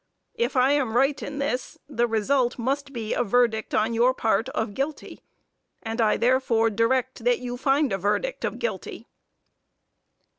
If I am right in this, the result must be a verdict on your part of guilty, and I therefore direct that you find a verdict of guilty.